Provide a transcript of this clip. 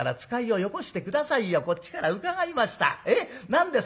何ですか？